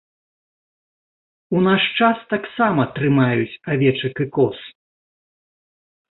У наш час таксама трымаюць авечак і коз.